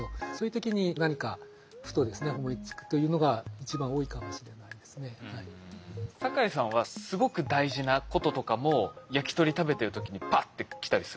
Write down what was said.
僕も違うことをしてる時で私の場合坂井さんはすごく大事なこととかも焼き鳥食べてる時にパッてきたりするんですか？